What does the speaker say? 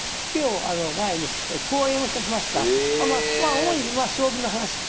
主に将棋の話とか。